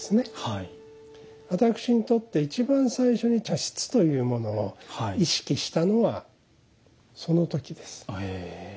私にとって一番最初に茶室というものを意識したのはその時です。